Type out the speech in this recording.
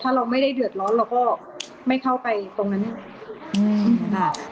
ถ้าเราไม่ได้เดือดร้อนเราก็ไม่เข้าไปตรงนั้นค่ะ